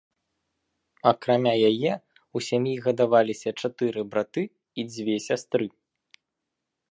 Акрамя яе ў сям'і гадаваліся чатыры браты і дзве сястры.